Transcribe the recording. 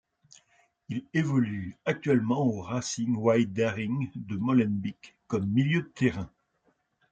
Il évolue actuellement au Racing White Daring de Molenbeek comme milieu de terrain.